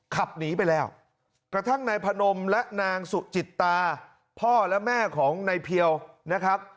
ขับหนีไปแล้วกระทั่งนายพนมและนางสุจิตตาพ่อและแม่ของนายเพียวนะครับ